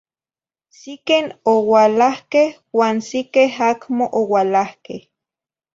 Siqueh oualahqueh uan siqueh acmo oualahqueh.